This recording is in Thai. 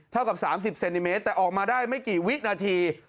เท่ากับ๓๐เซนติเมตรแต่ออกมาได้ไม่กี่วินาที